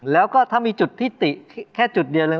แล้วก็ถ้ามีจุดที่ติแค่จุดเดียวเลย